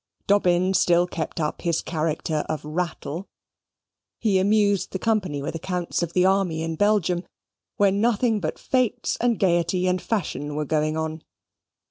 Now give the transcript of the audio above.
Dobbin still kept up his character of rattle. He amused the company with accounts of the army in Belgium; where nothing but fetes and gaiety and fashion were going on.